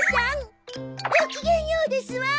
ごきげんようですわ。